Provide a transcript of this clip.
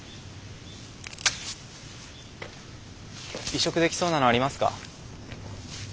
移植できそうなのありますか？